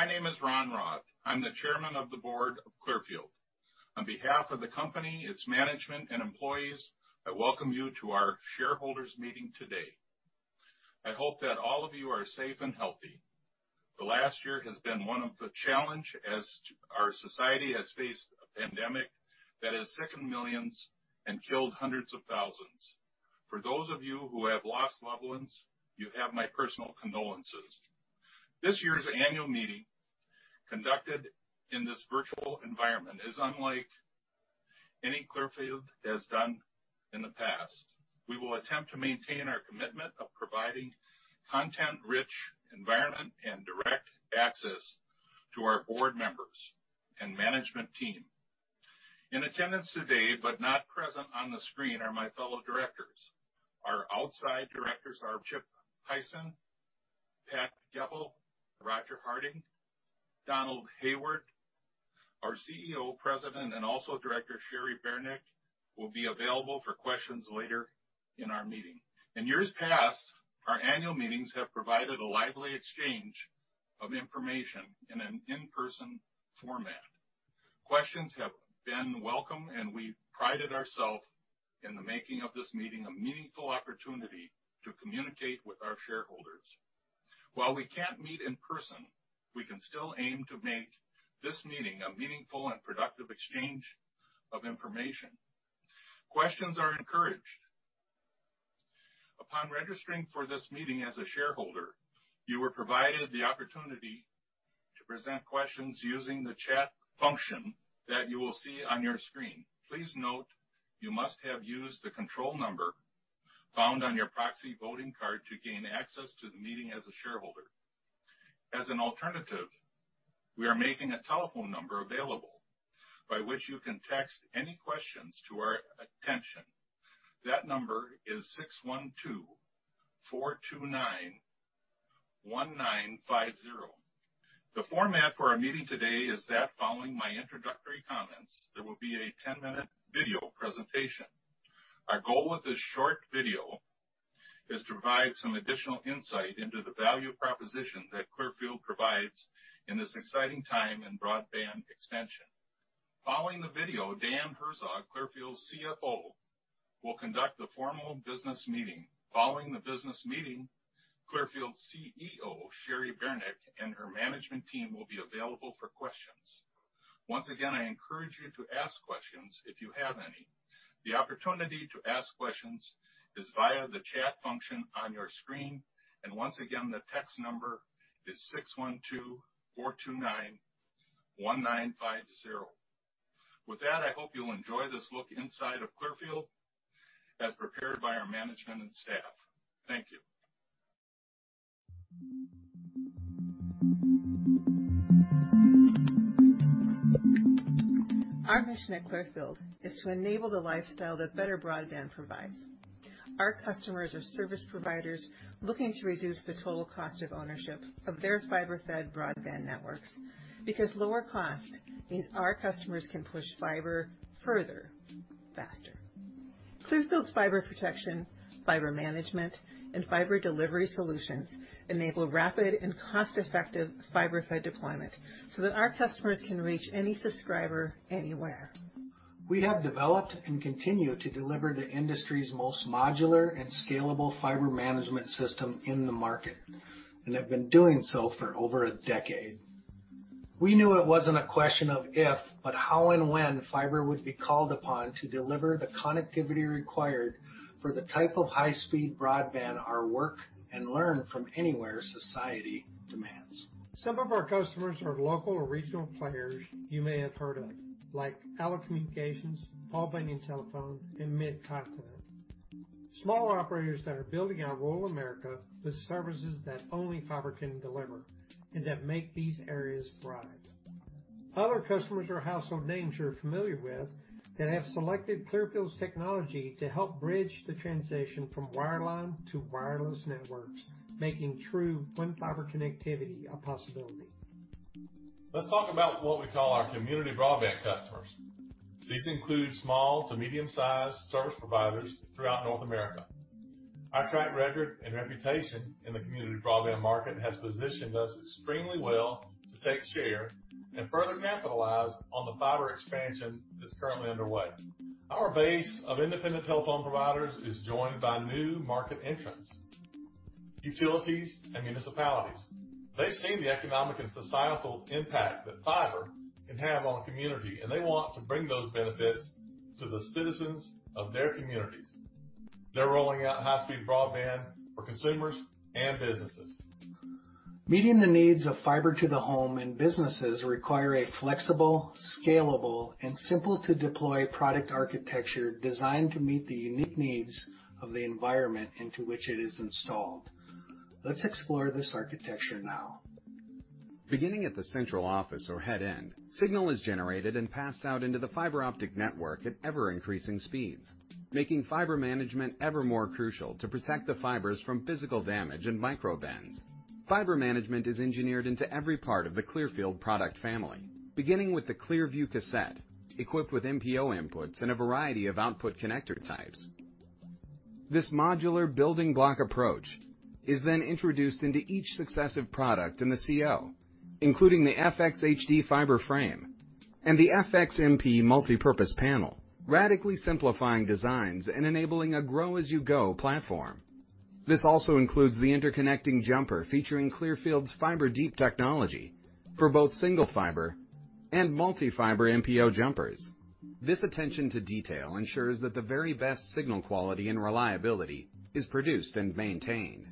Hello, my name is Ronald Roth. I'm the Chairman of the Board of Clearfield. On behalf of the company, its management, and employees, I welcome you to our shareholders' meeting today. I hope that all of you are safe and healthy. The last year has been one of the challenge as our society has faced a pandemic that has sickened millions and killed hundreds of thousands. For those of you who have lost loved ones, you have my personal condolences. This year's annual meeting, conducted in this virtual environment, is unlike any Clearfield has done in the past. We will attempt to maintain our commitment of providing content-rich environment and direct access to our board members and management team. In attendance today, but not present on the screen, are my fellow directors. Our outside directors are Chip Hayssen, Patrick Goepel, Roger Harding, Donald Hayward. Our CEO, president, and also director, Cheri Beranek, will be available for questions later in our meeting. In years past, our annual meetings have provided a lively exchange of information in an in-person format. Questions have been welcome, and we prided ourself in the making of this meeting a meaningful opportunity to communicate with our shareholders. While we can't meet in person, we can still aim to make this meeting a meaningful and productive exchange of information. Questions are encouraged. Upon registering for this meeting as a shareholder, you were provided the opportunity to present questions using the chat function that you will see on your screen. Please note, you must have used the control number found on your proxy voting card to gain access to the meeting as a shareholder. As an alternative, we are making a telephone number available by which you can text any questions to our attention. That number is 612-429-1950. The format for our meeting today is that following my introductory comments, there will be a 10-minute video presentation. Our goal with this short video is to provide some additional insight into the value proposition that Clearfield provides in this exciting time in broadband expansion. Following the video, Daniel Herzog, Clearfield's CFO, will conduct a formal business meeting. Following the business meeting, Clearfield's CEO, Cheri Beranek, and her management team will be available for questions. Once again, I encourage you to ask questions if you have any. The opportunity to ask questions is via the chat function on your screen. Once again, the text number is 612-429-1950. With that, I hope you'll enjoy this look inside of Clearfield as prepared by our management and staff. Thank you. Our mission at Clearfield is to enable the lifestyle that better broadband provides. Our customers are service providers looking to reduce the total cost of ownership of their fiber-fed broadband networks, because lower cost means our customers can push fiber further, faster. Clearfield's fiber protection, fiber management, and fiber delivery solutions enable rapid and cost-effective fiber-fed deployment so that our customers can reach any subscriber anywhere. We have developed and continue to deliver the industry's most modular and scalable fiber management system in the market and have been doing so for over a decade. We knew it wasn't a question of if, but how and when fiber would be called upon to deliver the connectivity required for the type of high-speed broadband our work and learn from anywhere society demands. Some of our customers are local or regional players you may have heard of, like ALLO Communications, Paul Bunyan Communications, and Midco. Smaller operators that are building out rural America with services that only fiber can deliver and that make these areas thrive. Other customers are household names you're familiar with that have selected Clearfield's technology to help bridge the transition from wireline to wireless networks, making true one fiber connectivity a possibility. Let's talk about what we call our community broadband customers. These include small to medium-sized service providers throughout North America. Our track record and reputation in the community broadband market has positioned us extremely well to take share and further capitalize on the fiber expansion that's currently underway. Our base of independent telephone providers is joined by new market entrants, utilities, and municipalities. They've seen the economic and societal impact that fiber can have on a community, and they want to bring those benefits to the citizens of their communities. They're rolling out high-speed broadband for consumers and businesses. Meeting the needs of fiber to the home and businesses require a flexible, scalable, and simple-to-deploy product architecture designed to meet the unique needs of the environment into which it is installed. Let's explore this architecture now. Beginning at the central office or head end, signal is generated and passed out into the fiber optic network at ever-increasing speeds, making fiber management ever more crucial to protect the fibers from physical damage and micro bends. Fiber management is engineered into every part of the Clearfield product family, beginning with the Clearview Cassette, equipped with MPO inputs and a variety of output connector types. This modular building block approach is then introduced into each successive product in the CO, including the FxHD fiber frame and the FxMP multipurpose panel, radically simplifying designs and enabling a grow-as-you-go platform. This also includes the interconnecting jumper featuring Clearfield's FiberDeep technology for both single fiber and multi-fiber MPO jumpers. This attention to detail ensures that the very best signal quality and reliability is produced and maintained.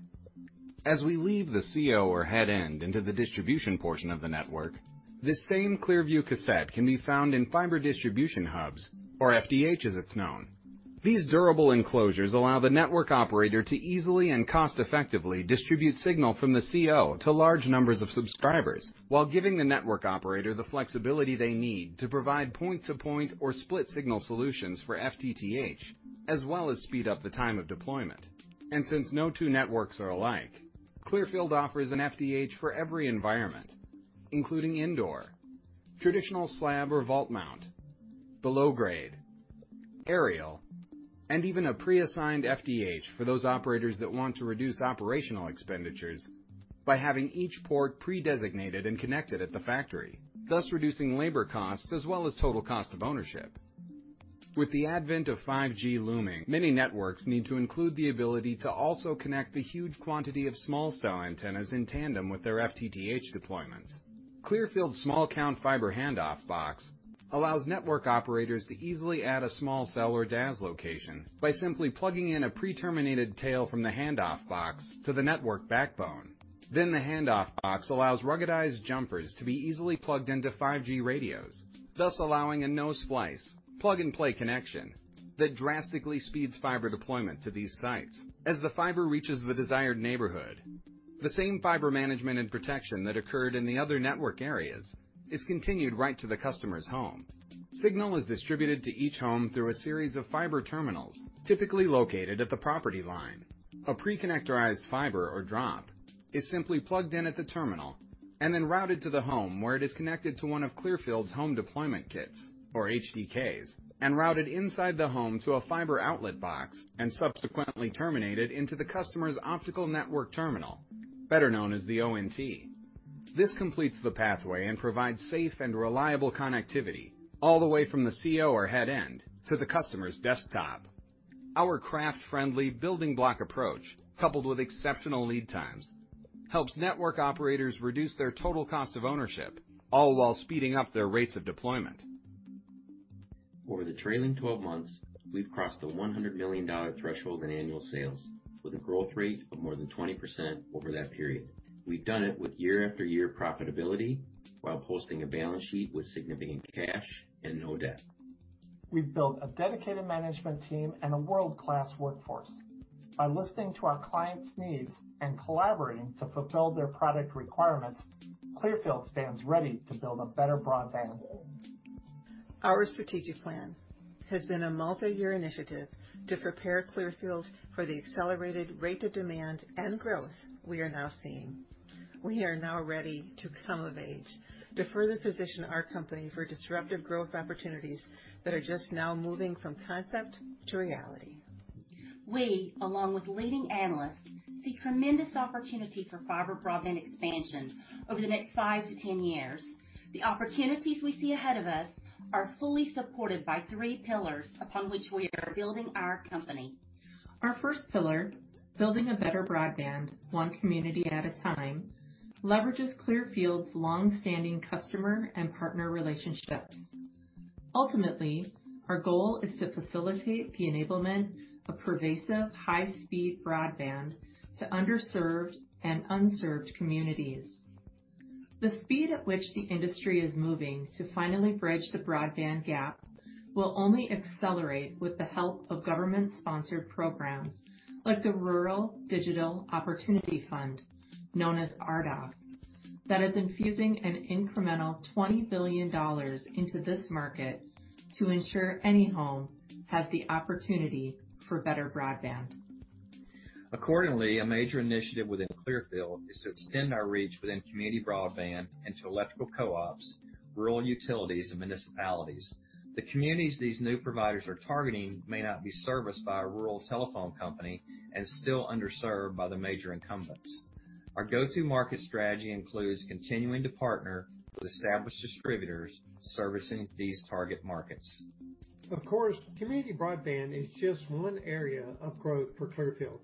As we leave the CO or headend into the distribution portion of the network, this same Clearview Cassette can be found in fiber distribution hubs or FDH as it's known. These durable enclosures allow the network operator to easily and cost effectively distribute signal from the CO to large numbers of subscribers while giving the network operator the flexibility they need to provide point-to-point or split signal solutions for FTTH, as well as speed up the time of deployment. Since no two networks are alike, Clearfield offers an FDH for every environment, including indoor, traditional slab or vault mount, below grade, aerial, and even a pre-assigned FDH for those operators that want to reduce operational expenditures by having each port predesignated and connected at the factory, thus reducing labor costs as well as total cost of ownership. With the advent of 5G looming, many networks need to include the ability to also connect the huge quantity of small cell antennas in tandem with their FTTH deployments. Clearfield's small count fiber handoff box allows network operators to easily add a small cell or DAS location by simply plugging in a pre-terminated tail from the handoff box to the network backbone. The handoff box allows ruggedized jumpers to be easily plugged into 5G radios, thus allowing a no-splice plug-and-play connection that drastically speeds fiber deployment to these sites. As the fiber reaches the desired neighborhood, the same fiber management and protection that occurred in the other network areas is continued right to the customer's home. Signal is distributed to each home through a series of fiber terminals, typically located at the property line. A pre-connectorized fiber or drop is simply plugged in at the terminal and then routed to the home where it is connected to one of Clearfield's Home Deployment Kits, or HDKs, and routed inside the home to a fiber outlet box, and subsequently terminated into the customer's optical network terminal, better known as the ONT. This completes the pathway and provides safe and reliable connectivity all the way from the CO or headend to the customer's desktop. Our craft-friendly building block approach, coupled with exceptional lead times, helps network operators reduce their total cost of ownership, all while speeding up their rates of deployment. Over the trailing 12 months, we've crossed the $100 million threshold in annual sales with a growth rate of more than 20% over that period. We've done it with year after year profitability while posting a balance sheet with significant cash and no debt. We've built a dedicated management team and a world-class workforce. By listening to our clients' needs and collaborating to fulfill their product requirements, Clearfield stands ready to build a better broadband. Our strategic plan has been a multi-year initiative to prepare Clearfield for the accelerated rate of demand and growth we are now seeing. We are now ready to come of age to further position our company for disruptive growth opportunities that are just now moving from concept to reality. We, along with leading analysts, see tremendous opportunity for fiber broadband expansion over the next five to 10 years. The opportunities we see ahead of us are fully supported by three pillars upon which we are building our company. Our first pillar, building a better broadband one community at a time, leverages Clearfield's long-standing customer and partner relationships. Ultimately, our goal is to facilitate the enablement of pervasive high-speed broadband to underserved and unserved communities. The speed at which the industry is moving to finally bridge the broadband gap will only accelerate with the help of government-sponsored programs like the Rural Digital Opportunity Fund, known as RDOF, that is infusing an incremental $20 billion into this market to ensure any home has the opportunity for better broadband. Accordingly, a major initiative within Clearfield is to extend our reach within community broadband into electrical co-ops, rural utilities, and municipalities. The communities these new providers are targeting may not be serviced by a rural telephone company and still underserved by the major incumbents. Our go-to-market strategy includes continuing to partner with established distributors servicing these target markets. Of course, community broadband is just one area of growth for Clearfield.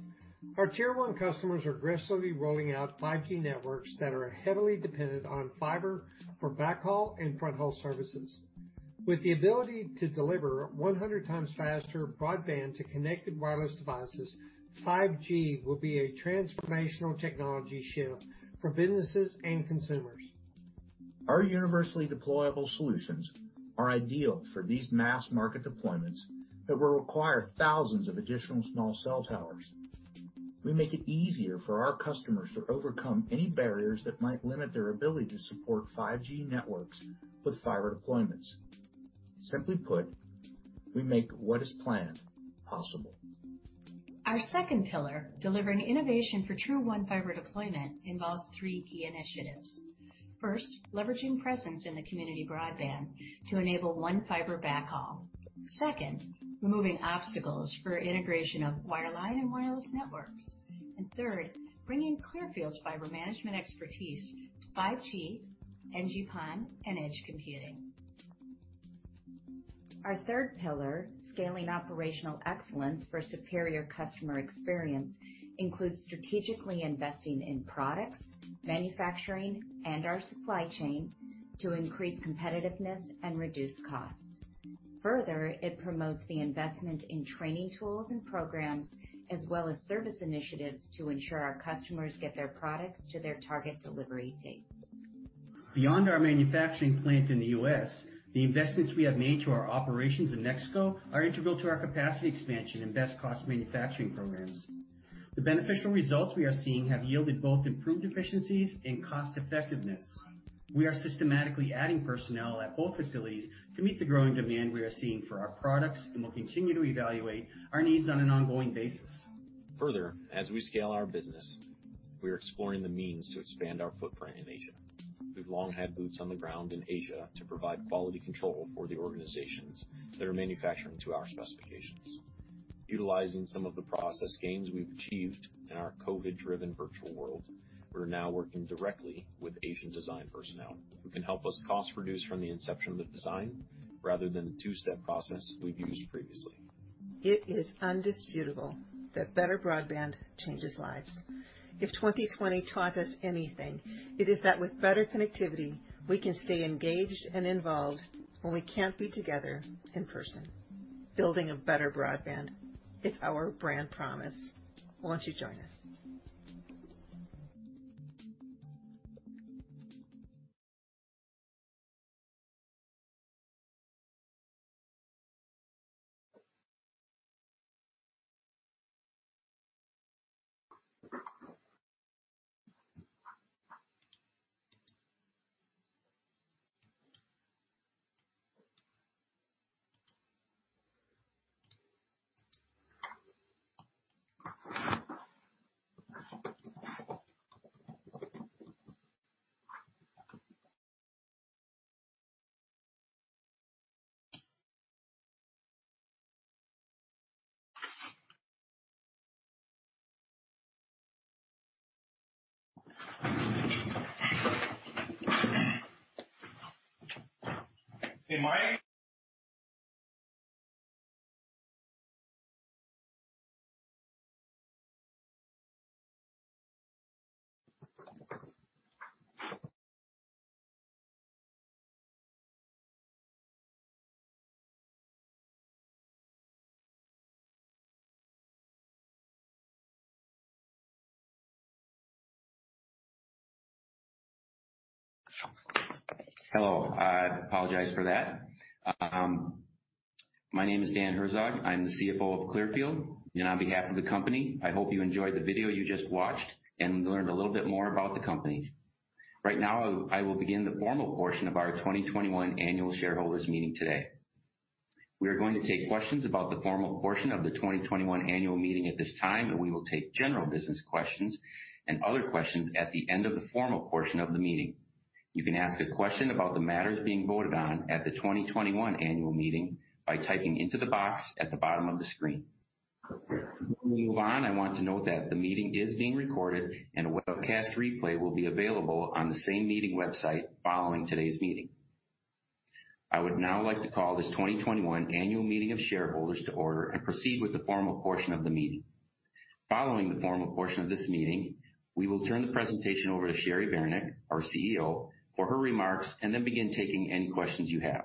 Our Tier I customers are aggressively rolling out 5G networks that are heavily dependent on fiber for backhaul and front haul services. With the ability to deliver 100 times faster broadband to connected wireless devices, 5G will be a transformational technology shift for businesses and consumers. Our universally deployable solutions are ideal for these mass market deployments that will require thousands of additional small cell towers. We make it easier for our customers to overcome any barriers that might limit their ability to support 5G networks with fiber deployments. Simply put, we make what is planned possible. Our second pillar, delivering innovation for true one fiber deployment, involves three key initiatives. First, leveraging presence in the community broadband to enable one fiber backhaul. Second, removing obstacles for integration of wireline and wireless networks. Third, bringing Clearfield's fiber management expertise to 5G, NG-PON, and edge computing. Our third pillar, scaling operational excellence for superior customer experience, includes strategically investing in products, manufacturing, and our supply chain to increase competitiveness and reduce costs. Further, it promotes the investment in training tools and programs, as well as service initiatives to ensure our customers get their products to their target delivery dates. Beyond our manufacturing plant in the U.S., the investments we have made to our operations in Mexico are integral to our capacity expansion and best cost manufacturing programs. The beneficial results we are seeing have yielded both improved efficiencies and cost-effectiveness. We are systematically adding personnel at both facilities to meet the growing demand we are seeing for our products. We'll continue to evaluate our needs on an ongoing basis. Further, as we scale our business, we are exploring the means to expand our footprint in Asia. We've long had boots on the ground in Asia to provide quality control for the organizations that are manufacturing to our specifications. Utilizing some of the process gains we've achieved in our COVID-driven virtual world, we're now working directly with Asian design personnel who can help us cost reduce from the inception of the design rather than the two-step process we've used previously. It is undisputable that better broadband changes lives. If 2020 taught us anything, it is that with better connectivity, we can stay engaged and involved when we can't be together in person. Building a better broadband, it's our brand promise. Won't you join us? Hello. I apologize for that. My name is Daniel Herzog. I'm the CFO of Clearfield, and on behalf of the company, I hope you enjoyed the video you just watched and learned a little bit more about the company. Right now, I will begin the formal portion of our 2021 annual shareholders meeting today. We are going to take questions about the formal portion of the 2021 annual meeting at this time, and we will take general business questions and other questions at the end of the formal portion of the meeting. You can ask a question about the matters being voted on at the 2021 annual meeting by typing into the box at the bottom of the screen. Before we move on, I want to note that the meeting is being recorded, and a webcast replay will be available on the same meeting website following today's meeting. I would now like to call this 2021 annual meeting of shareholders to order and proceed with the formal portion of the meeting. Following the formal portion of this meeting, we will turn the presentation over to Cheri Beranek, our CEO, for her remarks, and then begin taking any questions you have.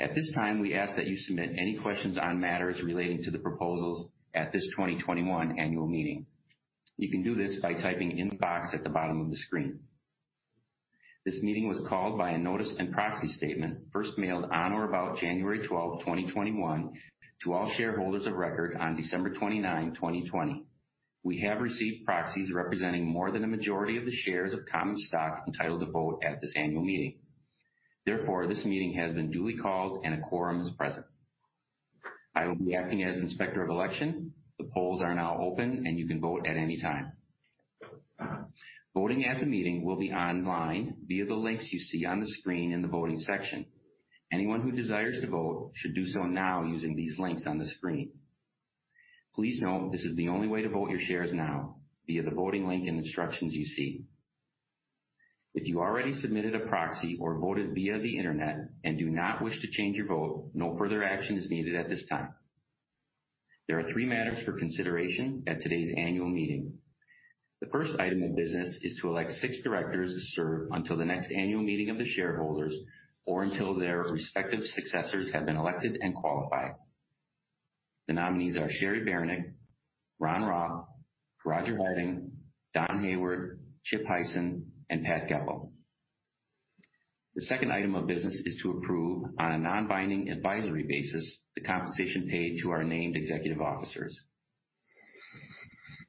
At this time, we ask that you submit any questions on matters relating to the proposals at this 2021 annual meeting. You can do this by typing in the box at the bottom of the screen. This meeting was called by a notice and proxy statement first mailed on or about January 12th, 2021 to all shareholders of record on December 29th, 2020. We have received proxies representing more than a majority of the shares of common stock entitled to vote at this annual meeting. Therefore, this meeting has been duly called and a quorum is present. I will be acting as inspector of election. The polls are now open, and you can vote at any time. Voting at the meeting will be online via the links you see on the screen in the voting section. Anyone who desires to vote should do so now using these links on the screen. Please note, this is the only way to vote your shares now, via the voting link and instructions you see. If you already submitted a proxy or voted via the Internet and do not wish to change your vote, no further action is needed at this time. There are three matters for consideration at today's annual meeting. The first item of business is to elect six directors to serve until the next annual meeting of the shareholders or until their respective successors have been elected and qualified. The nominees are Cheri Beranek, Ronald Roth, Roger Harding, Donald Hayward, Chip Hayssen, and Patrick Goepel. The second item of business is to approve on a non-binding advisory basis the compensation paid to our named executive officers.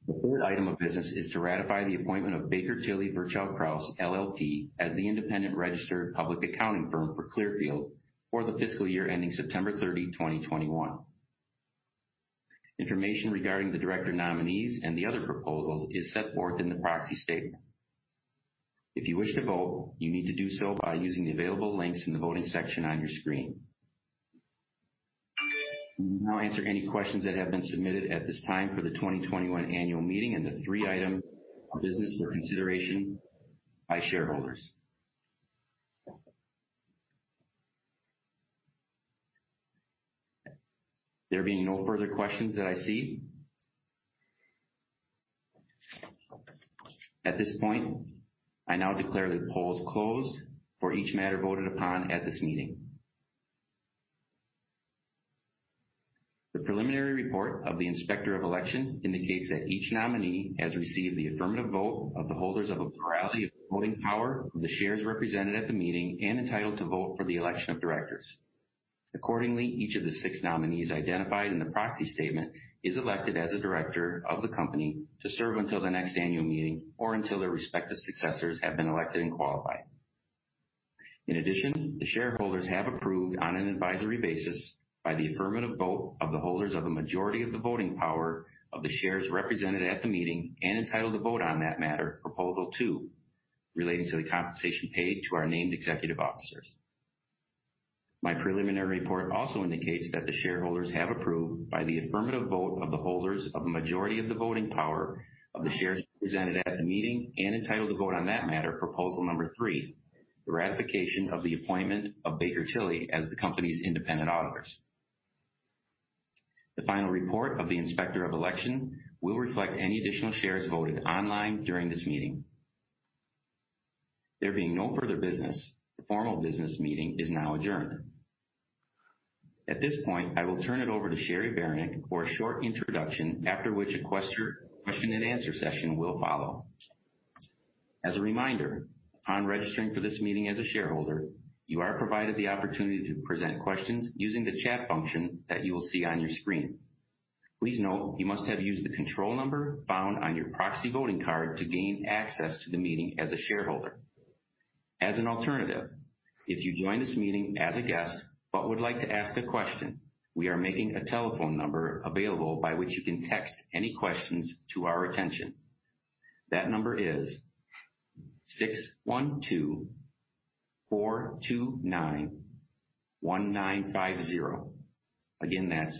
The third item of business is to ratify the appointment of Baker Tilly Virchow Krause, LLP as the independent registered public accounting firm for Clearfield for the fiscal year ending September 30th, 2021. Information regarding the director nominees and the other proposals is set forth in the proxy statement. If you wish to vote, you need to do so by using the available links in the voting section on your screen. We will now answer any questions that have been submitted at this time for the 2021 annual meeting and the three items of business for consideration by shareholders. There being no further questions that I see, at this point, I now declare the polls closed for each matter voted upon at this meeting. The preliminary report of the Inspector of Election indicates that each nominee has received the affirmative vote of the holders of a plurality of the voting power of the shares represented at the meeting and entitled to vote for the election of directors. Accordingly, each of the six nominees identified in the proxy statement is elected as a director of the company to serve until the next annual meeting or until their respective successors have been elected and qualified. In addition, the shareholders have approved on an advisory basis by the affirmative vote of the holders of a majority of the voting power of the shares represented at the meeting and entitled to vote on that matter, proposal two, relating to the compensation paid to our named executive officers. My preliminary report also indicates that the shareholders have approved by the affirmative vote of the holders of a majority of the voting power of the shares represented at the meeting and entitled to vote on that matter, proposal number three, the ratification of the appointment of Baker Tilly as the company's independent auditors. The final report of the Inspector of Election will reflect any additional shares voted online during this meeting. There being no further business, the formal business meeting is now adjourned. At this point, I will turn it over to Cheri Beranek for a short introduction, after which a question and answer session will follow. As a reminder, upon registering for this meeting as a shareholder, you are provided the opportunity to present questions using the chat function that you will see on your screen. Please note you must have used the control number found on your proxy voting card to gain access to the meeting as a shareholder. As an alternative, if you joined this meeting as a guest but would like to ask a question, we are making a telephone number available by which you can text any questions to our attention. That number is 612-429-1950. Again, that's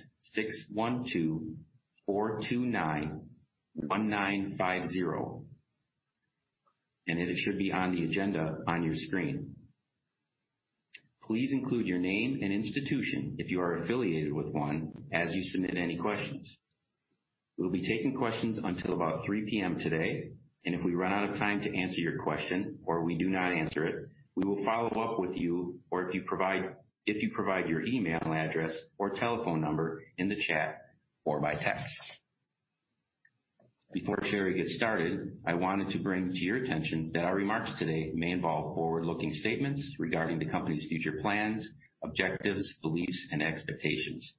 612-429-1950, it should be on the agenda on your screen. Please include your name and institution if you are affiliated with one as you submit any questions. We'll be taking questions until about 3:00 P.M. today, and if we run out of time to answer your question or we do not answer it, we will follow up with you if you provide your email address or telephone number in the chat or by text. Before Cheri gets started, I wanted to bring to your attention that our remarks today may involve forward-looking statements regarding the company's future plans, objectives, beliefs, and expectations.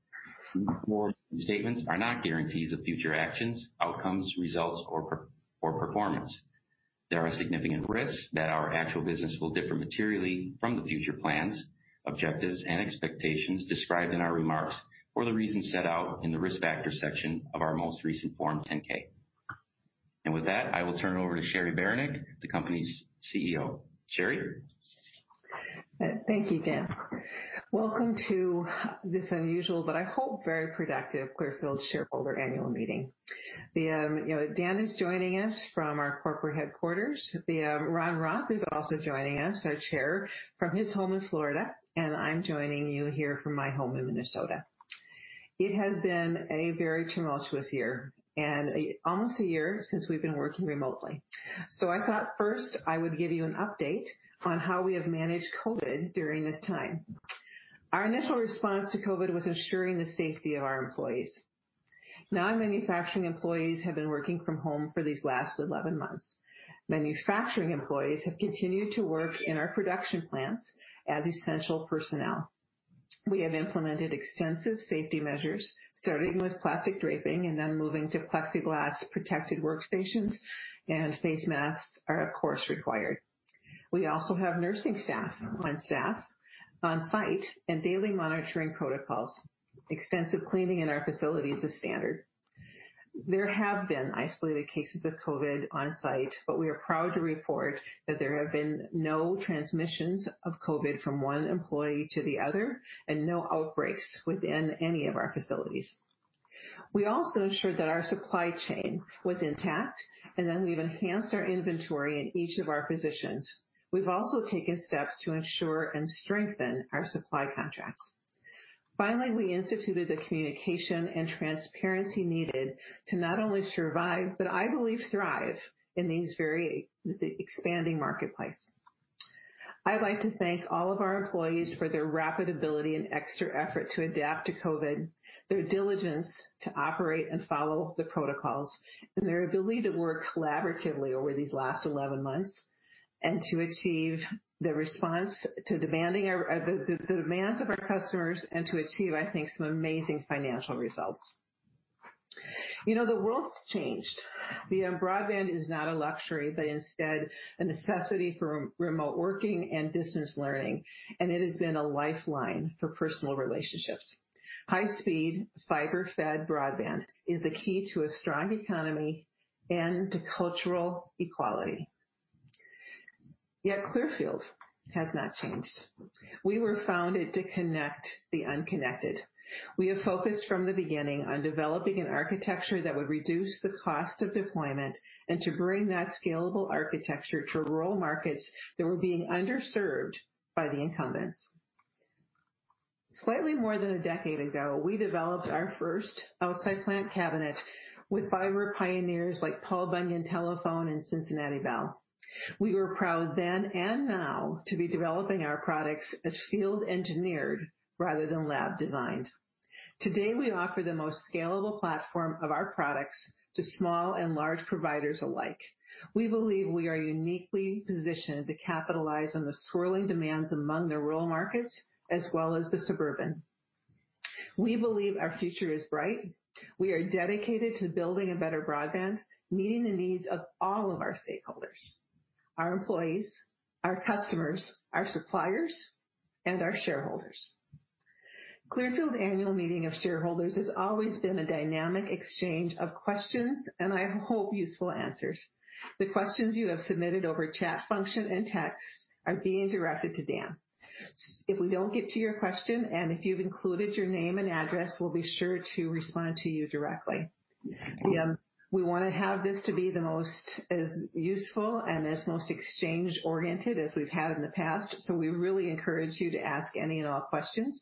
Such forward-looking statements are not guarantees of future actions, outcomes, results, or performance. There are significant risks that our actual business will differ materially from the future plans, objectives, and expectations described in our remarks for the reasons set out in the Risk Factors section of our most recent Form 10-K. With that, I will turn it over to Cheri Beranek, the company's CEO. Cheri? Thank you, Daniel. Welcome to this unusual, but I hope, very productive Clearfield shareholder annual meeting. Daniel Herzog is joining us from our corporate headquarters. Ronald Roth is also joining us, our chair, from his home in Florida, and I'm joining you here from my home in Minnesota. It has been a very tumultuous year, and almost a year since we've been working remotely. I thought first I would give you an update on how we have managed COVID during this time. Our initial response to COVID was ensuring the safety of our employees. Non-manufacturing employees have been working from home for these last 11 months. Manufacturing employees have continued to work in our production plants as essential personnel. We have implemented extensive safety measures, starting with plastic draping and then moving to plexiglass-protected workstations, and face masks are, of course, required. We also have nursing staff on site and daily monitoring protocols. Extensive cleaning in our facility is the standard. There have been isolated cases of COVID on site. We are proud to report that there have been no transmissions of COVID from one employee to the other and no outbreaks within any of our facilities. We also ensured that our supply chain was intact. We've enhanced our inventory in each of our positions. We've also taken steps to ensure and strengthen our supply contracts. Finally, we instituted the communication and transparency needed to not only survive, but I believe thrive in these very expanding marketplaces. I'd like to thank all of our employees for their rapid ability and extra effort to adapt to COVID, their diligence to operate and follow the protocols, and their ability to work collaboratively over these last 11 months and to achieve the demands of our customers and to achieve, I think, some amazing financial results. The world's changed. Broadband is not a luxury, but instead a necessity for remote working and distance learning, and it has been a lifeline for personal relationships. High-speed, fiber-fed broadband is the key to a strong economy and to cultural equality. Yet Clearfield has not changed. We were founded to connect the unconnected. We have focused from the beginning on developing an architecture that would reduce the cost of deployment and to bring that scalable architecture to rural markets that were being underserved by the incumbents. Slightly more than a decade ago, we developed our first outside plant cabinet with fiber pioneers like Paul Bunyan Communications and Cincinnati Bell. We were proud then and now to be developing our products as field engineered rather than lab designed. Today, we offer the most scalable platform of our products to small and large providers alike. We believe we are uniquely positioned to capitalize on the swirling demands among the rural markets as well as the suburban. We believe our future is bright. We are dedicated to building a better broadband, meeting the needs of all of our stakeholders, our employees, our customers, our suppliers, and our shareholders. Clearfield annual meeting of shareholders has always been a dynamic exchange of questions, and I hope useful answers. The questions you have submitted over chat function and text are being directed to Dan. If we don't get to your question, and if you've included your name and address, we'll be sure to respond to you directly. We want to have this to be the most useful and as most exchange-oriented as we've had in the past. We really encourage you to ask any and all questions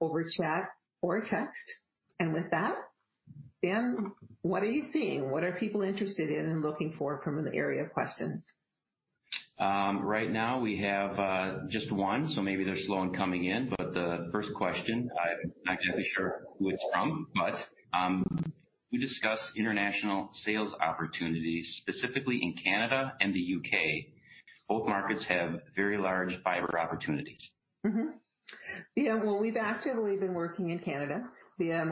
over chat or text. With that, Daniel Herzog, what are you seeing? What are people interested in and looking for from an area of questions? Right now we have just one. Maybe they're slow in coming in. The first question, I'm not exactly sure who it's from, but, "We discussed international sales opportunities, specifically in Canada and the U.K. Both markets have very large fiber opportunities. Yeah. Well, we've actively been working in Canada. We have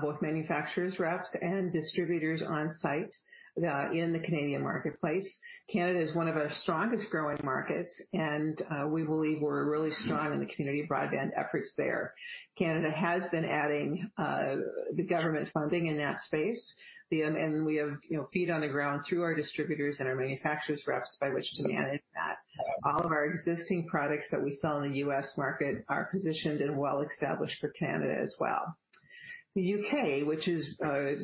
both manufacturers, reps, and distributors on site in the Canadian marketplace. Canada is one of our strongest growing markets, and we believe we're really strong in the community broadband efforts there. Canada has been adding the government funding in that space. We have feet on the ground through our distributors and our manufacturers' reps by which to manage that. All of our existing products that we sell in the U.S. market are positioned and well established for Canada as well. The U.K., which is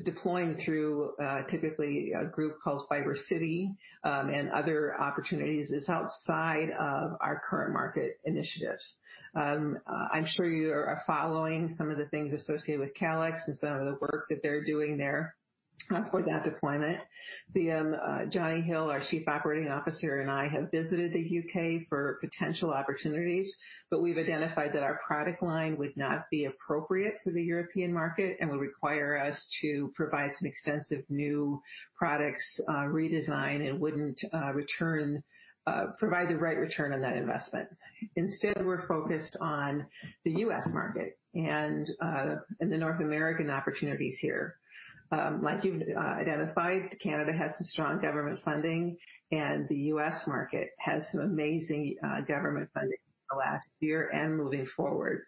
deploying through typically a group called CityFibre, and other opportunities, is outside of our current market initiatives. I'm sure you are following some of the things associated with Calix and some of the work that they're doing there for that deployment. Johnny Hill, our Chief Operating Officer, I have visited the U.K. for potential opportunities, we've identified that our product line would not be appropriate for the European market and would require us to provide some extensive new products, redesign, and wouldn't provide the right return on that investment. Instead, we're focused on the U.S. market and the North American opportunities here. Like you've identified, Canada has some strong government funding, the U.S. market has some amazing government funding in the last year and moving forward.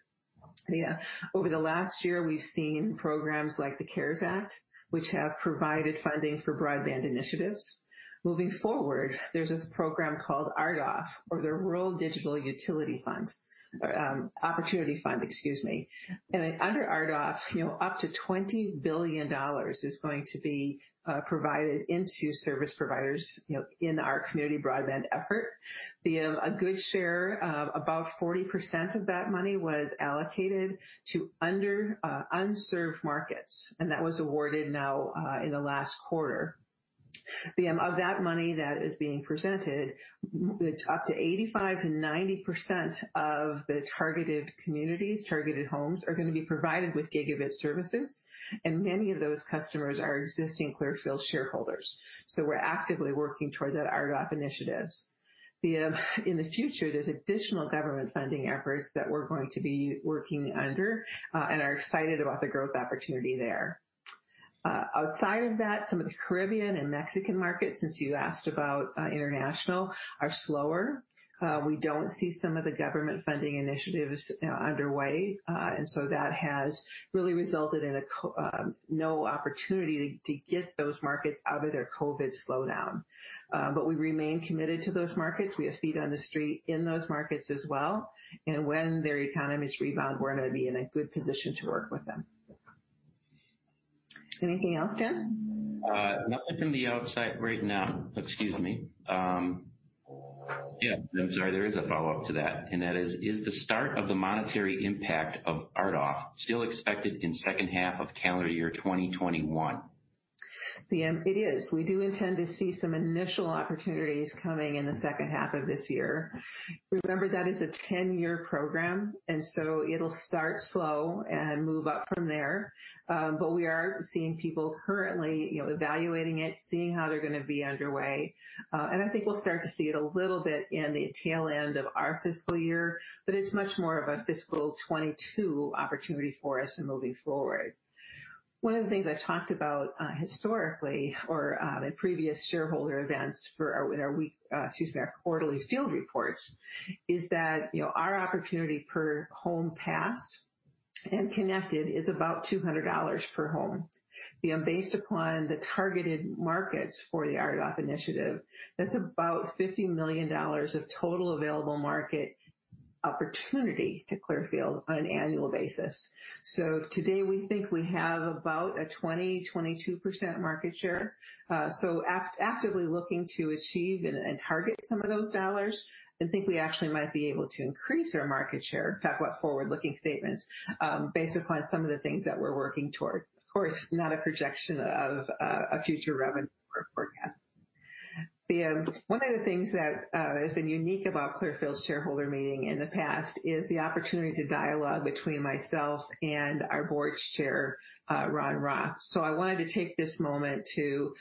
Over the last year, we've seen programs like the CARES Act, which have provided funding for broadband initiatives. Moving forward, there's this program called RDOF, or the Rural Digital Opportunity Fund. Under RDOF, up to $20 billion is going to be provided into service providers in our community broadband effort. A good share, about 40% of that money, was allocated to unserved markets, that was awarded now in the last quarter. Of that money that is being presented, up to 85%-90% of the targeted communities, targeted homes, are going to be provided with gigabit services, many of those customers are existing Clearfield shareholders. We're actively working towards that RDOF initiatives. In the future, there's additional government funding efforts that we're going to be working under and are excited about the growth opportunity there. Outside of that, some of the Caribbean and Mexican markets, since you asked about international, are slower. We don't see some of the government funding initiatives underway. That has really resulted in no opportunity to get those markets out of their COVID slowdown. We remain committed to those markets. We have feet on the street in those markets as well. When their economies rebound, we're going to be in a good position to work with them. Anything else, Daniel? Nothing from the outside right now. Excuse me. Yeah. I'm sorry. There is a follow-up to that, and that is, "Is the start of the monetary impact of RDOF still expected in second half of calendar year 2021? It is. We do intend to see some initial opportunities coming in the second half of this year. Remember, that is a 10-year program. It'll start slow and move up from there. We are seeing people currently evaluating it, seeing how they're going to be underway. I think we'll start to see it a little bit in the tail end of our fiscal year, but it's much more of a fiscal 2022 opportunity for us in moving forward. One of the things I've talked about historically or in previous shareholder events in our weekly, excuse me, our quarterly field reports is that our opportunity per home passed and connected is about $200 per home. Based upon the targeted markets for the RDOF initiative, that's about $50 million of total available market opportunity to Clearfield on an annual basis. Today, we think we have about a 20%, 22% market share. Actively looking to achieve and target some of those dollars and think we actually might be able to increase our market share. Talk about forward-looking statements, based upon some of the things that we're working toward. Of course, not a projection of a future revenue or forecast. One of the things that has been unique about Clearfield's shareholder meeting in the past is the opportunity to dialogue between myself and our board chair, Ronald Roth. I wanted to take this moment to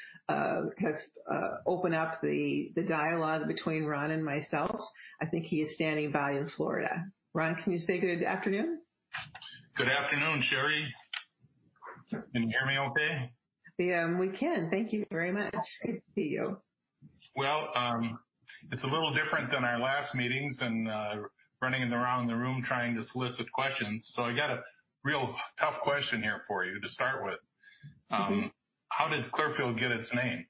open up the dialogue between Ronald Roth and myself. I think he is standing by in Florida. Ronald, can you say good afternoon? Good afternoon, Cheri. Can you hear me okay? Yeah, we can. Thank you very much. Good to see you. Well, it's a little different than our last meetings and running around the room trying to solicit questions. I got a real tough question here for you to start with. How did Clearfield get its name?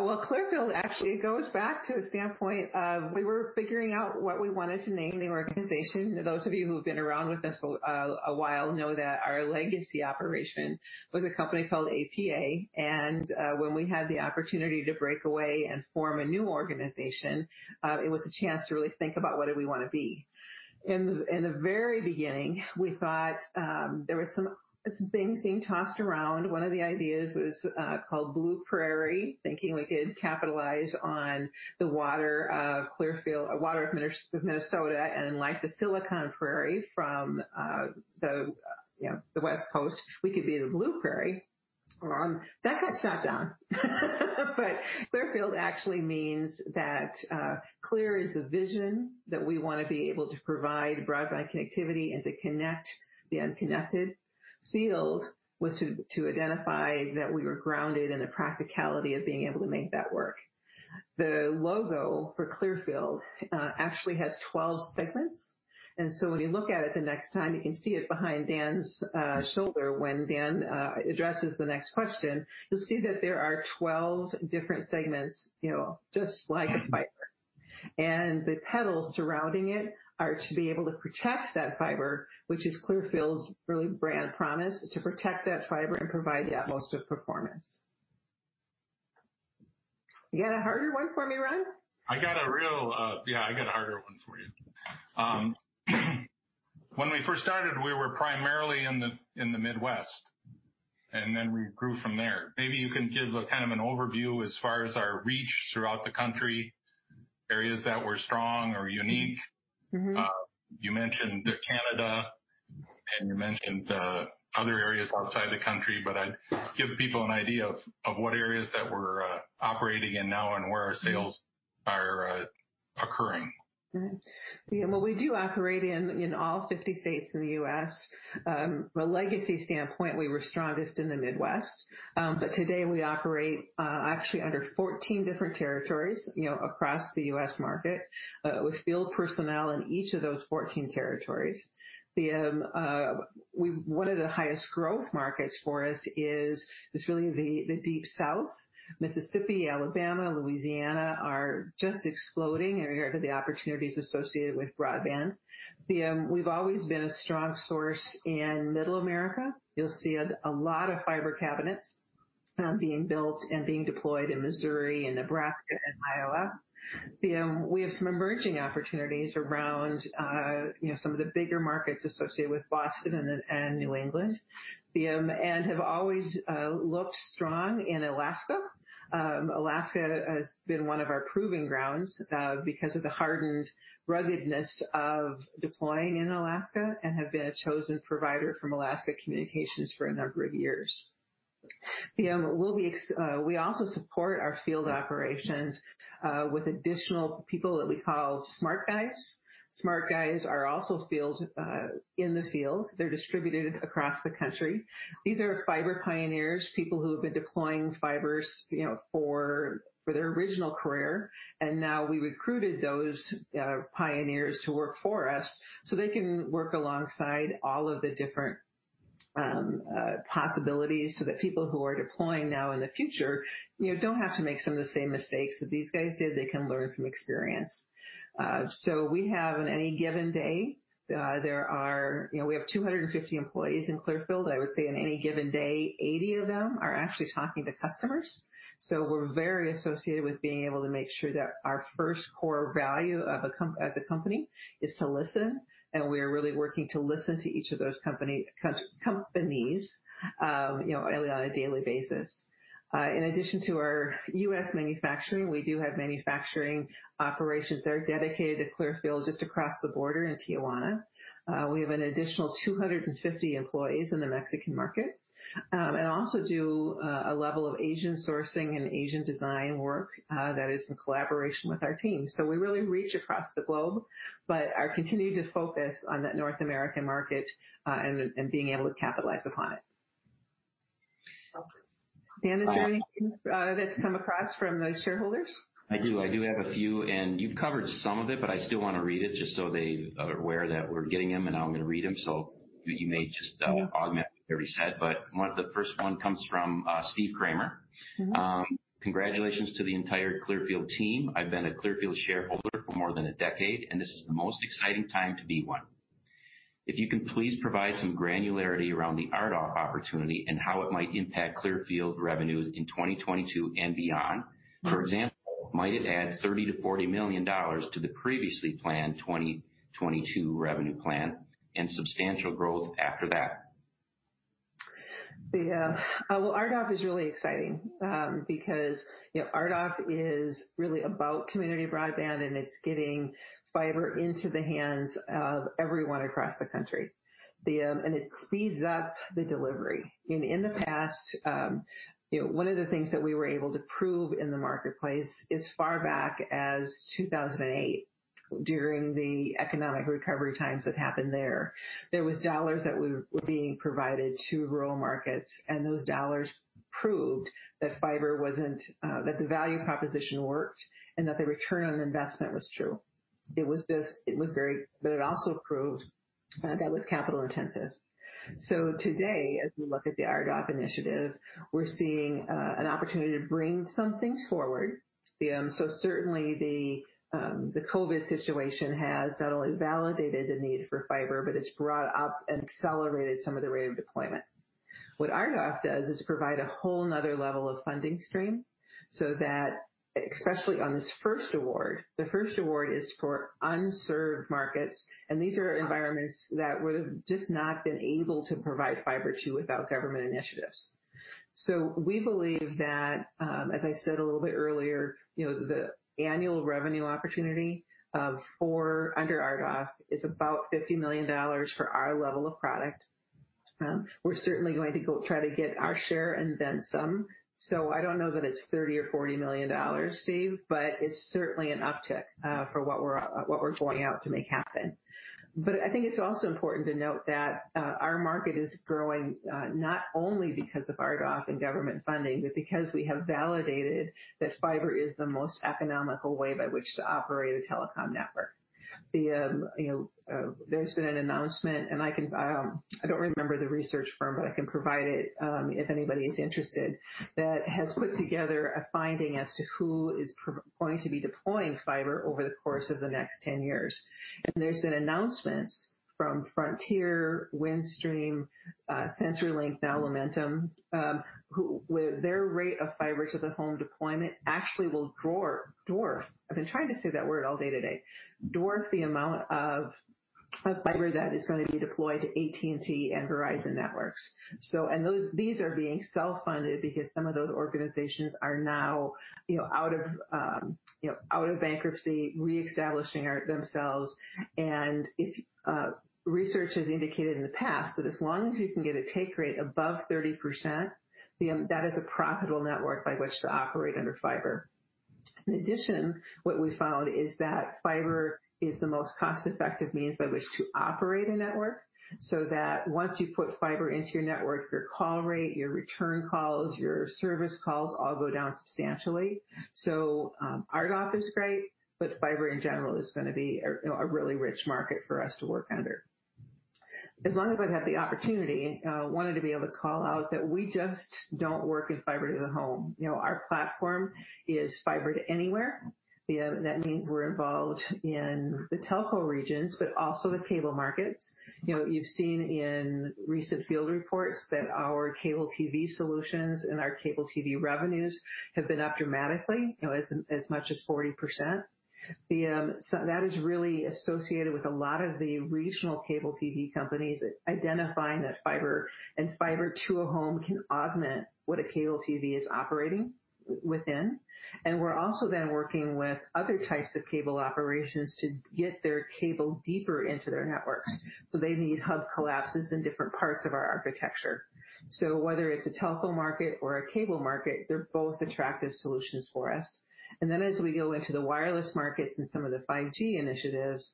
Well, Clearfield actually goes back to a standpoint of we were figuring out what we wanted to name the organization. Those of you who've been around with us a while know that our legacy operation was a company called APA, and when we had the opportunity to break away and form a new organization, it was a chance to really think about what did we want to be. In the very beginning, we thought, there was some things being tossed around. One of the ideas was called Blue Prairie, thinking we could capitalize on the water of Minnesota, and like the Silicon Prairie from the West Coast, we could be the Blue Prairie. That got shot down. Clearfield actually means that Clear is the vision that we want to be able to provide broadband connectivity and to connect the unconnected. Field was to identify that we were grounded in the practicality of being able to make that work. The logo for Clearfield actually has 12 segments, so when you look at it the next time, you can see it behind Daniel's shoulder when Daniel addresses the next question. You'll see that there are 12 different segments, just like a fiber. The petals surrounding it are to be able to protect that fiber, which is Clearfield's brand promise, to protect that fiber and provide the utmost of performance. You got a harder one for me, Ronald? I got a harder one for you. When we first started, we were primarily in the Midwest, and then we grew from there. Maybe you can give an overview as far as our reach throughout the country, areas that were strong or unique. You mentioned Canada and you mentioned other areas outside the country, but give people an idea of what areas that we're operating in now and where our sales are occurring? We do operate in all 50 states in the U.S. From a legacy standpoint, we were strongest in the Midwest. Today we operate actually under 14 different territories across the U.S. market, with field personnel in each of those 14 territories. One of the highest growth markets for us is really the Deep South. Mississippi, Alabama, Louisiana are just exploding in regard to the opportunities associated with broadband. We've always been a strong source in Middle America. You'll see a lot of fiber cabinets being built and being deployed in Missouri and Nebraska and Iowa. We have some emerging opportunities around some of the bigger markets associated with Boston and New England, and have always looked strong in Alaska. Alaska has been one of our proving grounds because of the hardened ruggedness of deploying in Alaska and have been a chosen provider from Alaska Communications for a number of years. We also support our field operations with additional people that we call smart guys. Smart guys are also in the field. They're distributed across the country. These are fiber pioneers, people who have been deploying fibers for their original career. Now we recruited those pioneers who work for us so they can work alongside all of the different possibilities so that people who are deploying now in the future don't have to make some of the same mistakes that these guys did. They can learn from experience. We have on any given day, we have 250 employees in Clearfield. I would say on any given day, 80 of them are actually talking to customers. We're very associated with being able to make sure that our first core value as a company is to listen, and we are really working to listen to each of those companies on a daily basis. In addition to our U.S. manufacturing, we do have manufacturing operations that are dedicated to Clearfield just across the border in Tijuana. We have an additional 250 employees in the Mexican market and also do a level of Asian sourcing and Asian design work that is in collaboration with our team. We really reach across the globe, but are continuing to focus on that North American market, and being able to capitalize upon it. Daniel Herzog, is there anything that's come across from those shareholders? I do have a few, and you've covered some of it, but I still want to read it just so they are aware that we're getting them and how I'm going to read them, so you may just augment every set. The first one comes from Steve Kramer. Congratulations to the entire Clearfield team. I've been a Clearfield shareholder for more than a decade, and this is the most exciting time to be one. If you can please provide some granularity around the RDOF opportunity and how it might impact Clearfield revenues in 2022 and beyond. For example, might it add $30 million-$40 million to the previously planned 2022 revenue plan and substantial growth after that? Yeah. Well, RDOF is really exciting because RDOF is really about community broadband. It's getting fiber into the hands of everyone across the country. It speeds up the delivery. In the past, one of the things that we were able to prove in the marketplace as far back as 2008, during the economic recovery times that happened there was dollars that were being provided to rural markets. Those dollars proved that the value proposition worked and that the return on investment was true. It also proved that was capital intensive. Today, as we look at the RDOF initiative, we're seeing an opportunity to bring some things forward. Certainly the COVID situation has not only validated the need for fiber, but it's brought up and accelerated some of the rate of deployment. What RDOF does is provide a whole another level of funding stream so that, especially on this first award, the first award is for unserved markets, and these are environments that would've just not been able to provide fiber to without government initiatives. We believe that, as I said a little bit earlier, the annual revenue opportunity under RDOF is about $50 million for our level of product. We're certainly going to go try to get our share and then some. I don't know that it's $30 million or $40 million, Steve, but it's certainly an uptick for what we're going out to make happen. I think it's also important to note that our market is growing, not only because of RDOF and government funding, but because we have validated that fiber is the most economical way by which to operate a telecom network. There's been an announcement, and I don't remember the research firm, but I can provide it if anybody is interested, that has put together a finding as to who is going to be deploying fiber over the course of the next 10 years. There's been announcements from Frontier, Windstream, CenturyLink, now Lumen, their rate of fiber to the home deployment actually will dwarf the amount of fiber that is going to be deployed to AT&T and Verizon networks. These are being self-funded because some of those organizations are now out of bankruptcy, reestablishing themselves. Research has indicated in the past that as long as you can get a take rate above 30%, that is a profitable network by which to operate under fiber. In addition, what we found is that fiber is the most cost-effective means by which to operate a network, so that once you put fiber into your network, your call rate, your return calls, your service calls all go down substantially. RDOF is great, but fiber in general is going to be a really rich market for us to work under. As long as I've had the opportunity, I wanted to be able to call out that we just don't work in fiber to the home. Our platform is fiber to anywhere. That means we're involved in the telco regions, but also the cable markets. You've seen in recent field reports that our cable TV solutions and our cable TV revenues have been up dramatically, as much as 40%. That is really associated with a lot of the regional cable TV companies identifying that fiber and fiber to a home can augment what a cable TV is operating within. We're also then working with other types of cable operations to get their cable deeper into their networks. They need hub collapses in different parts of our architecture. Whether it's a telco market or a cable market, they're both attractive solutions for us. Then as we go into the wireless markets and some of the 5G initiatives,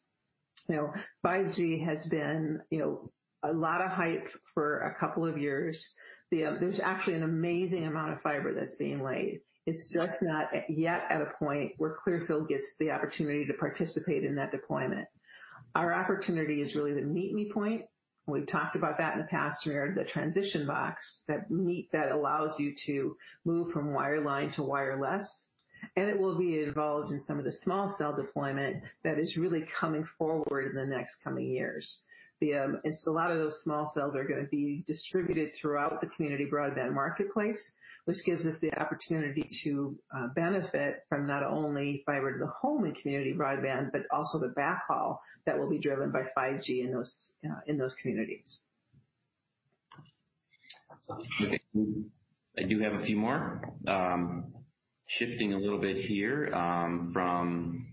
5G has been a lot of hype for a couple of years. There's actually an amazing amount of fiber that's being laid. It's just not yet at a point where Clearfield gets the opportunity to participate in that deployment. Our opportunity is really the meet-me point. We've talked about that in the past, where the transition box that allows you to move from wireline to wireless, and it will be involved in some of the small cell deployment that is really coming forward in the next coming years. A lot of those small cells are going to be distributed throughout the community broadband marketplace, which gives us the opportunity to benefit from not only fiber to the home and community broadband, but also the backhaul that will be driven by 5G in those communities. I do have a few more. Shifting a little bit here from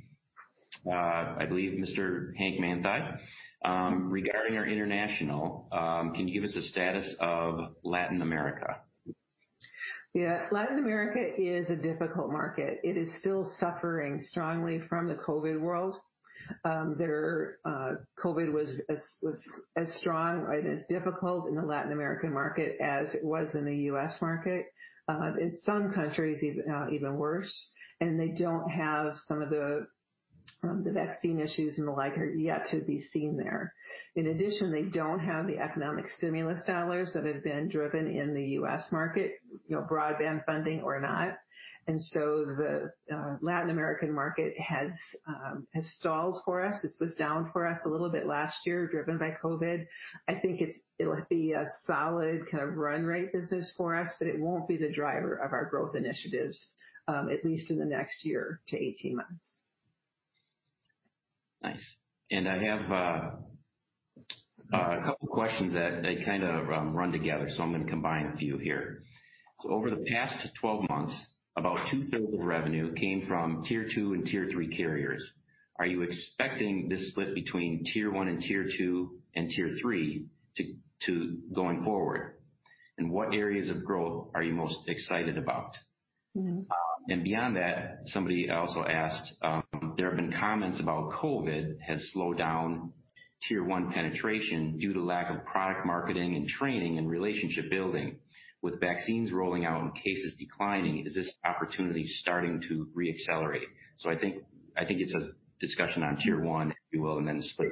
I believe Mr. Hank Manthei, regarding our international, can you give us a status of Latin America? Yeah. Latin America is a difficult market. It is still suffering strongly from the COVID world. COVID was as strong and as difficult in the Latin American market as it was in the U.S. market. In some countries, even worse, they don't have some of the vaccine issues and the like are yet to be seen there. In addition, they don't have the economic stimulus dollars that have been driven in the U.S. market, broadband funding or not. The Latin American market has stalled for us. It was down for us a little bit last year, driven by COVID. I think it'll be a solid kind of run rate business for us, but it won't be the driver of our growth initiatives, at least in the next year to 18 months. Nice. I have a couple questions that kind of run together, so I'm going to combine a few here. Over the past 12 months, about 2/3 of revenue came from Tier II and Tier III carriers. Are you expecting this split between Tier I and Tier II and Tier III going forward? What areas of growth are you most excited about? Beyond that, somebody also asked, there have been comments about COVID has slowed down Tier I penetration due to lack of product marketing and training and relationship building. With vaccines rolling out and cases declining, is this opportunity starting to re-accelerate? I think it's a discussion on Tier I, if you will. For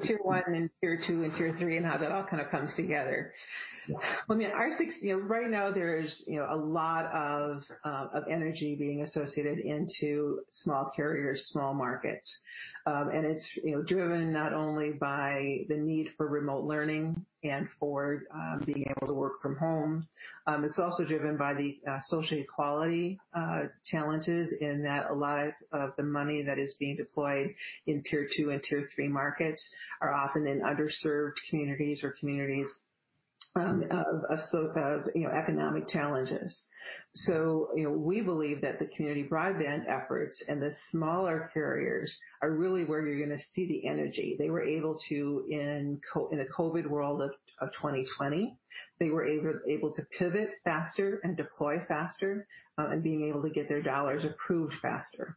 Tier I and Tier II and Tier III and how that all kind of comes together. Yeah. Right now there's a lot of energy being associated into small carriers, small markets. It's driven not only by the need for remote learning and for being able to work from home. It's also driven by the social equality challenges in that a lot of the money that is being deployed in Tier II and Tier III markets are often in underserved communities or communities of economic challenges. We believe that the community broadband efforts and the smaller carriers are really where you're going to see the energy. They were able to, in the COVID world of 2020, they were able to pivot faster and deploy faster, and being able to get their dollars approved faster.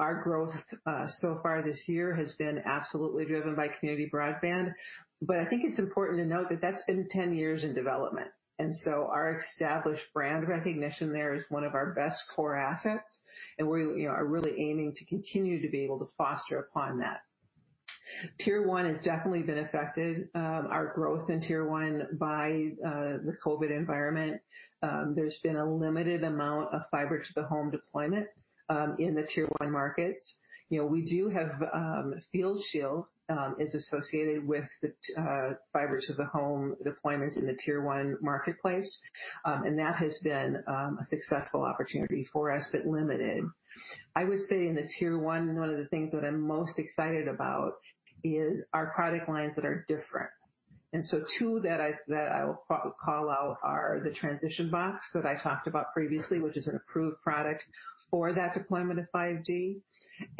Our growth so far this year has been absolutely driven by community broadband. I think it's important to note that that's been 10 years in development. Our established brand recognition there is one of our best core assets, and we are really aiming to continue to be able to foster upon that. Tier I has definitely been affected. Our growth in Tier I by the COVID environment, there's been a limited amount of fiber-to-the-home deployment in the Tier I markets. We do have FieldShield is associated with the fiber to the home deployments in the Tier I marketplace. That has been a successful opportunity for us, but limited. I would say in the Tier I of the things that I'm most excited about is our product lines that are different. Two that I will call out are the transition box that I talked about previously, which is an approved product for that deployment of 5G.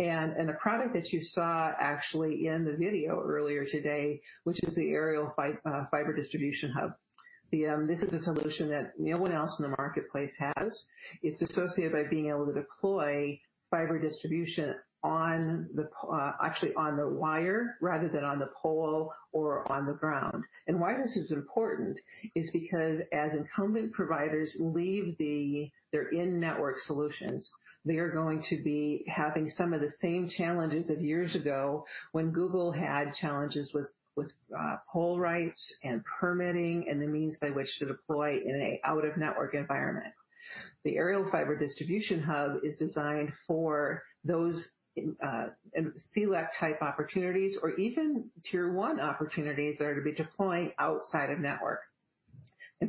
A product that you saw actually in the video earlier today, which is the Aerial Fiber Distribution Hub. This is a solution that no one else in the marketplace has. It's associated by being able to deploy fiber distribution actually on the wire rather than on the pole or on the ground. Why this is important is because as incumbent providers leave their in-network solutions, they are going to be having some of the same challenges of years ago when Google had challenges with pole rights and permitting and the means by which to deploy in an out-of-network environment. The Aerial Fiber Distribution Hub is designed for those CLEC type opportunities or even Tier I opportunities that are to be deployed outside of network.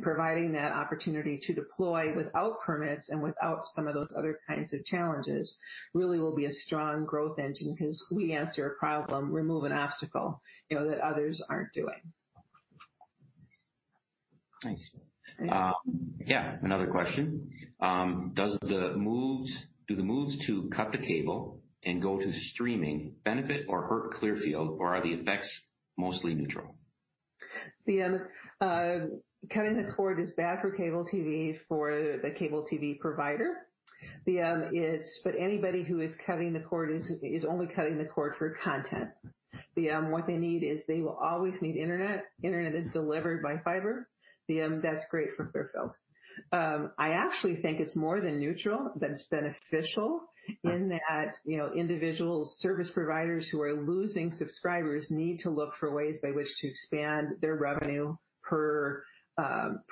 Providing that opportunity to deploy without permits and without some of those other kinds of challenges really will be a strong growth engine because we answer a problem, remove an obstacle that others aren't doing. Nice. Yeah. Another question. Do the moves to cut the cable and go to streaming benefit or hurt Clearfield, or are the effects mostly neutral? Cutting the cord is bad for cable TV for the cable TV provider. Anybody who is cutting the cord is only cutting the cord for content. What they need is they will always need Internet. Internet is delivered by fiber. That's great for Clearfield. I actually think it's more than neutral, that it's beneficial in that individual service providers who are losing subscribers need to look for ways by which to expand their revenue per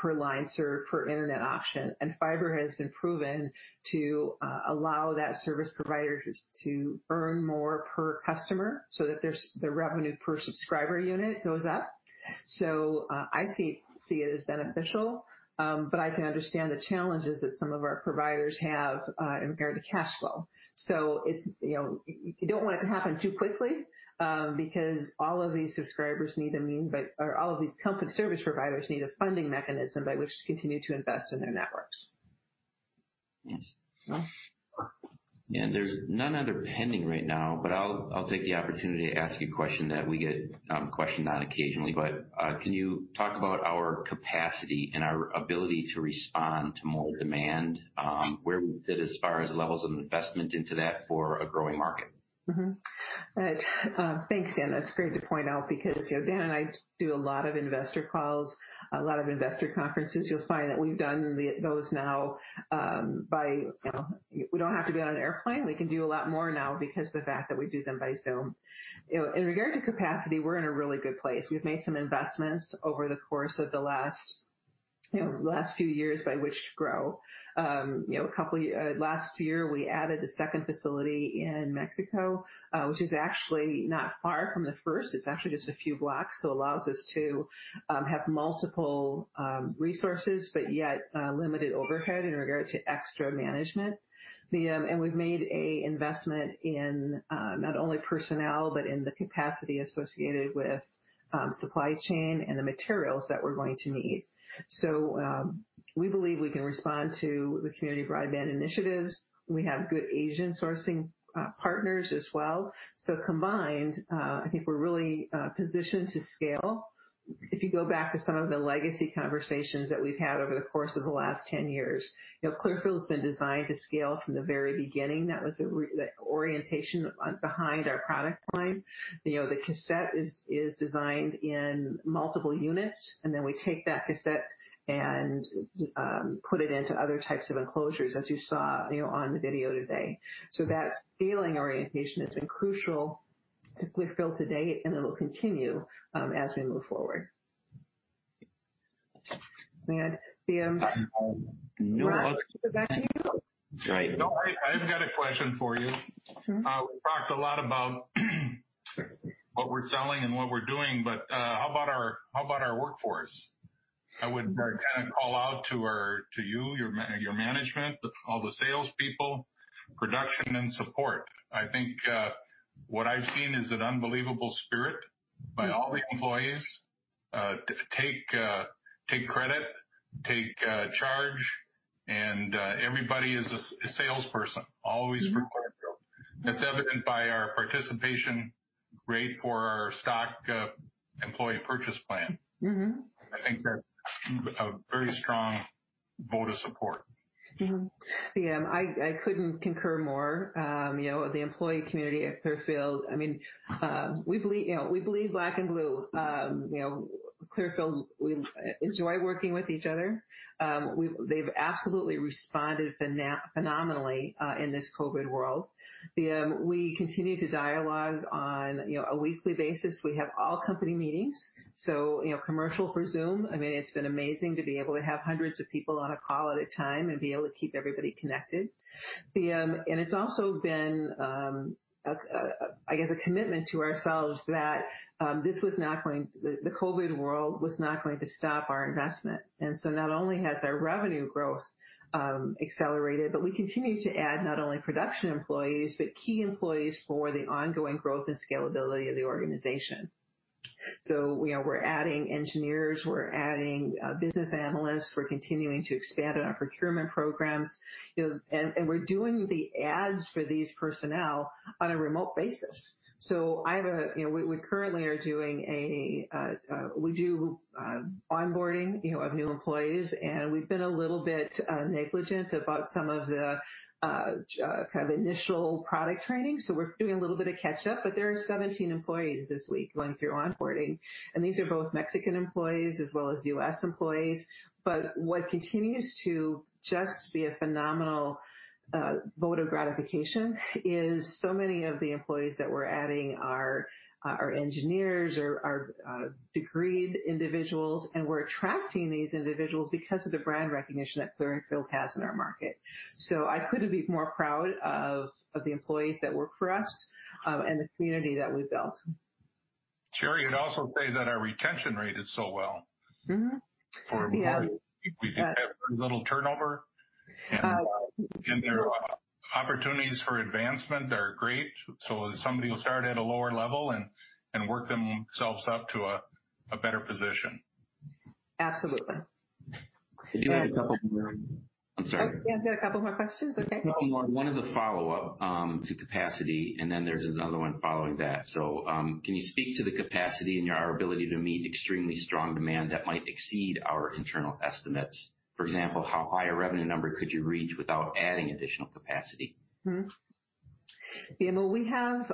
line served per Internet option. Fiber has been proven to allow that service provider to earn more per customer so that the revenue per subscriber unit goes up. I see it as beneficial. I can understand the challenges that some of our providers have in regard to cash flow. You don't want it to happen too quickly, because all of these service providers need a funding mechanism by which to continue to invest in their networks. Yes. There's none other pending right now, but I'll take the opportunity to ask you a question that we get questioned on occasionally. Can you talk about our capacity and our ability to respond to more demand? Where we sit as far as levels of investment into that for a growing market. Thanks, Daniel. That's great to point out because Daniel and I do a lot of investor calls, a lot of investor conferences. You'll find that we've done those now, we don't have to be on an airplane. We can do a lot more now because of the fact that we do them by Zoom. In regard to capacity, we're in a really good place. We've made some investments over the course of the last few years by which to grow. Last year, we added the second facility in Mexico, which is actually not far from the first. It's actually just a few blocks, allows us to have multiple resources, but yet limited overhead in regard to extra management. We've made an investment in not only personnel, but in the capacity associated with supply chain and the materials that we're going to need. We believe we can respond to the community broadband initiatives. We have good agent sourcing partners as well. Combined, I think we're really positioned to scale. If you go back to some of the legacy conversations that we've had over the course of the last 10 years, Clearfield has been designed to scale from the very beginning. That was the orientation behind our product line. The cassette is designed in multiple units, and then we take that cassette and put it into other types of enclosures, as you saw on the video today. That scaling orientation has been crucial to Clearfield to date, and it'll continue as we move forward. Ronald Roth, back to you. Right. Don't worry, I've got a question for you. We've talked a lot about what we're selling and what we're doing, but how about our workforce? I would call out to you, your management, all the salespeople, production, and support. I think what I've seen is an unbelievable spirit by all the employees to take credit, take charge, and everybody is a salesperson, always for Clearfield. That's evident by our participation rate for our stock employee purchase plan. I think that's a very strong vote of support. Ronald Roth, I couldn't concur more. The employee community at Clearfield, we bleed black and blue. Clearfield, we enjoy working with each other. They've absolutely responded phenomenally in this COVID world. Ronald Roth, we continue to dialogue on a weekly basis. We have all company meetings, so commercial for Zoom. It's been amazing to be able to have hundreds of people on a call at a time and be able to keep everybody connected. Ronald Roth, it's also been, I guess, a commitment to ourselves that the COVID world was not going to stop our investment. Not only has our revenue growth accelerated, but we continue to add not only production employees, but key employees for the ongoing growth and scalability of the organization. We're adding engineers, we're adding business analysts, we're continuing to expand on our procurement programs, and we're doing the adds for these personnel on a remote basis. We currently do onboarding of new employees, and we've been a little bit negligent about some of the initial product training. We're doing a little bit of catch-up, but there are 17 employees this week going through onboarding, and these are both Mexican employees as well as U.S. employees. What continues to just be a phenomenal vote of gratification is so many of the employees that we're adding are engineers, are degreed individuals, and we're attracting these individuals because of the brand recognition that Clearfield has in our market. I couldn't be more proud of the employees that work for us and the community that we've built. Cheri, I'd also say that our retention rate is so well. For employees. We have very little turnover, and their opportunities for advancement are great. Somebody will start at a lower level and work themselves up to a better position. Absolutely. You had a couple more. I'm sorry. I have a couple more questions. Okay. One is a follow-up to capacity, and then there's another one following that. Can you speak to the capacity and our ability to meet extremely strong demand that might exceed our internal estimates? For example, how high a revenue number could you reach without adding additional capacity? Daniel, we have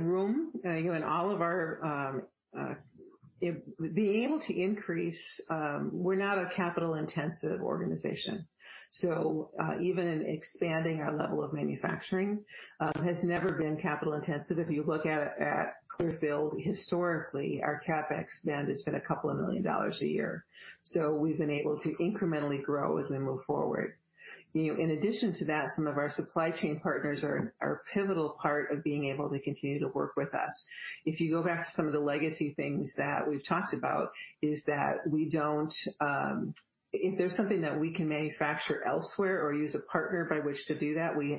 room. Being able to increase, we're not a capital-intensive organization. Even expanding our level of manufacturing has never been capital-intensive. If you look at Clearfield historically, our CapEx spend has been a couple of million dollars a year. We've been able to incrementally grow as we move forward. In addition to that, some of our supply chain partners are a pivotal part of being able to continue to work with us. If you go back to some of the legacy things that we've talked about, is that if there's something that we can manufacture elsewhere or use a partner by which to do that, we've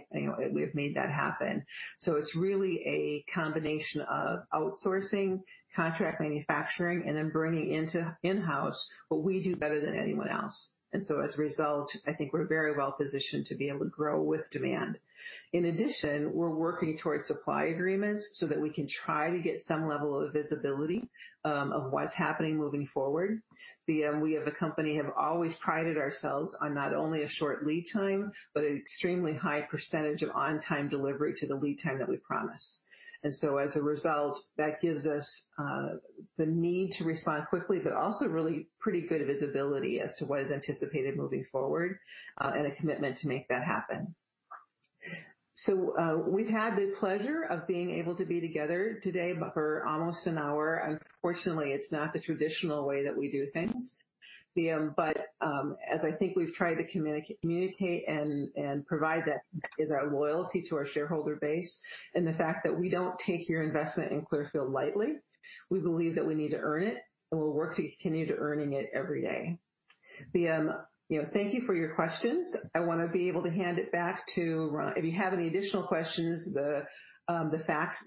made that happen. It's really a combination of outsourcing, contract manufacturing, and then bringing in-house what we do better than anyone else. As a result, I think we're very well positioned to be able to grow with demand. In addition, we're working towards supply agreements so that we can try to get some level of visibility of what's happening moving forward. Ronald Roth, we as a company have always prided ourselves on not only a short lead time, but an extremely high percentage of on-time delivery to the lead time that we promise. As a result, that gives us the need to respond quickly, but also really pretty good visibility as to what is anticipated moving forward, and a commitment to make that happen. We've had the pleasure of being able to be together today for almost an hour. Unfortunately, it's not the traditional way that we do things. As I think we've tried to communicate and provide that loyalty to our shareholder base and the fact that we don't take your investment in Clearfield lightly. We believe that we need to earn it, and we'll work to continue to earning it every day. Thank you for your questions. I want to be able to hand it back to Ronald. If you have any additional questions,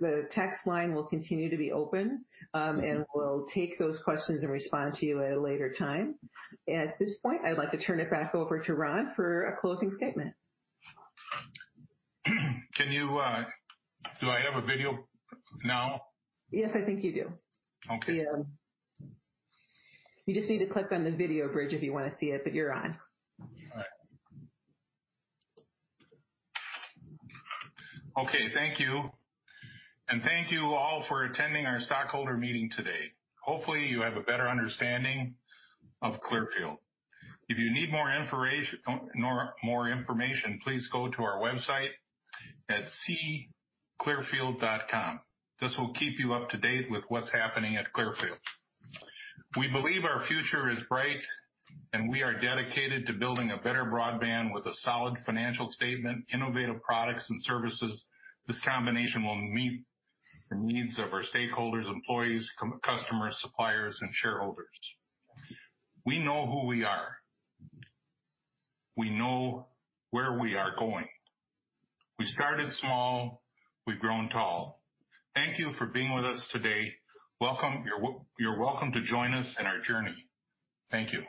the text line will continue to be open, and we'll take those questions and respond to you at a later time. At this point, I'd like to turn it back over to Ronald for a closing statement. Do I have a video now? Yes, I think you do. Okay. You just need to click on the video bridge if you want to see it, but you're on. All right. Okay, thank you, and thank you all for attending our stockholder meeting today. Hopefully, you have a better understanding of Clearfield. If you need more information, please go to our website at seeclearfield.com. This will keep you up to date with what's happening at Clearfield. We believe our future is bright, and we are dedicated to building a better broadband with a solid financial statement, innovative products, and services. This combination will meet the needs of our stakeholders, employees, customers, suppliers, and shareholders. We know who we are. We know where we are going. We started small. We've grown tall. Thank you for being with us today. You're welcome to join us in our journey. Thank you.